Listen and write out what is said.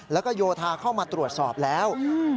แล้วก็โยธาเข้ามาตรวจสอบแล้ว